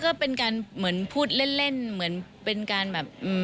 ก็เป็นการเหมือนพูดเล่นเหมือนเป็นการแบบ